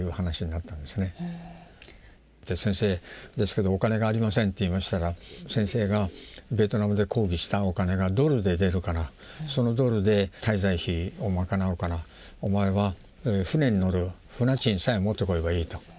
「先生ですけどお金がありません」って言いましたら先生がベトナムで講義したお金がドルで出るからそのドルで滞在費を賄うからお前は船に乗る船賃さえ持ってくればいいと。